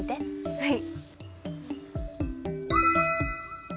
はい！